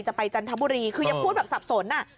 ไปจันทบุรีคือยังพูดแบบสับสน